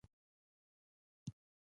موږ د خپلو موخو لپاره کار کوو.